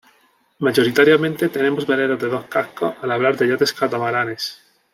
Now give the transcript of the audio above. Mayoritariamente tenemos veleros de dos cascos al hablar de yates catamaranes.